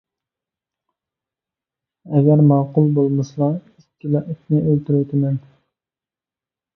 ئەگەر ماقۇل بولمىسىلا ئىككىلا ئىتنى ئۆلتۈرۈۋېتىمەن!